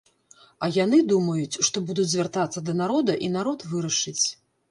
А яны думаюць, што будуць звяртацца да народа і народ вырашыць.